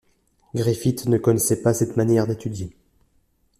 Griffith ne connaissait pas cette manière d’étudier.